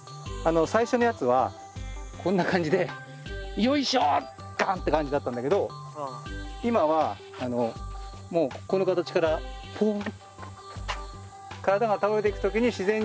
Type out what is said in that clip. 最初のやつはこんな感じでよいしょガンって感じだったんだけど今はもうこの形からポン。